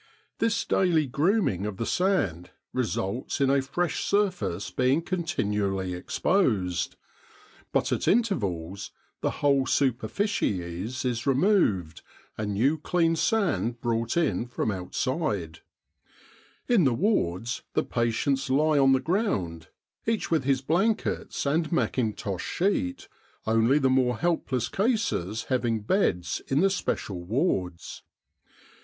This daily grooming of the sand results in a fresh surface being continually exposed; but at intervals the whole superficies is removed, and new clean sand brought in from outside. In the wards the patients lie on the ground, each with his blankets and mackintosh 287 With the R.A.M.C. in Egypt sheet, only the more helpless cases having beds in the special wards.